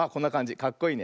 かっこいいね。